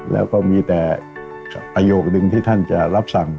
แล้วก็มีแต่ประโยคนึงที่ท่านจะรับสั่ง